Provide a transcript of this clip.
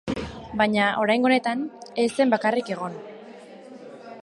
Baina, oraingo honetan, ez zen bakarrik egon.